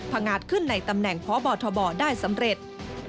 งาดขึ้นในตำแหน่งพบทบได้สำเร็จ